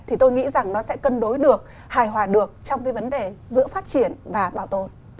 thì tôi nghĩ rằng nó sẽ cân đối được hài hòa được trong cái vấn đề giữa phát triển và bảo tồn